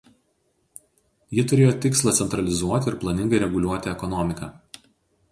Ji turėjo tikslą centralizuoti ir planingai reguliuoti ekonomiką.